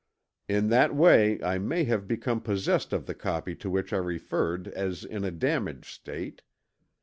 In that way I may have become possessed of the copy to which I referred as in a damaged state.